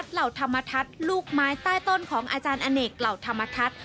เหล่าธรรมทัศน์ลูกไม้ใต้ต้นของอาจารย์อเนกเหล่าธรรมทัศน์